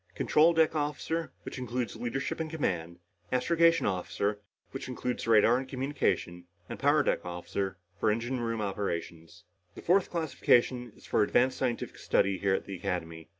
Control deck officer, which includes leadership and command. Astrogation officer, which includes radar and communications. And power deck officer for engine room operations. The fourth classification is for advanced scientific study here at the Academy.